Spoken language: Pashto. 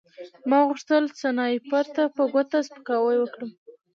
ما غوښتل سنایپر ته په ګوته سپکاوی وکړم